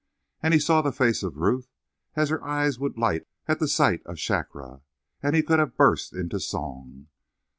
And he saw the face of Ruth, as her eyes would light at the sight of Shakra. He could have burst into song.